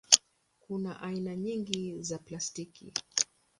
Kuna aina nyingi za plastiki.